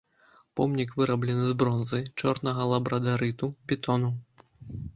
Помнік выраблены з бронзы, чорнага лабрадарыту, бетону.